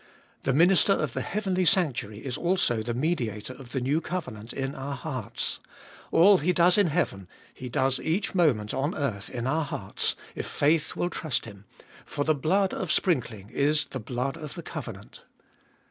The Minister of the heavenly sanctuary is also the Mediator of the new covenant in our hearts. All He does in heaven He does each moment on earth in our hearts, if faith will trust Him ; for the blood of sprinkling is the blood of the covenant.